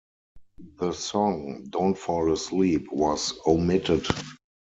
The song "Don't Fall Asleep" was omitted.